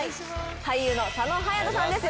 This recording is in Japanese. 俳優の佐野勇斗さんです